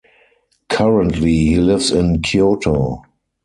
Currently he lives in Kyoto.